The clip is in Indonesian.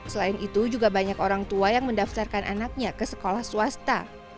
selain itu juga banyak orang tua yang mendaftarkan anaknya ke sekolah swasta